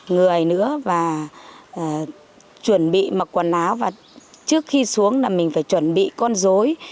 người nữa và chuẩn bị mặc quần áo và trước khi xuống là mình phải chuẩn bị con dối